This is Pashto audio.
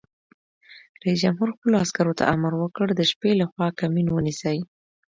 رئیس جمهور خپلو عسکرو ته امر وکړ؛ د شپې لخوا کمین ونیسئ!